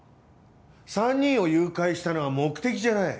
３人を誘拐したのは目的じゃない。